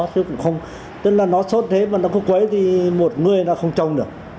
tức là nó sốt thế mà nó có quấy thì một người nó không trông được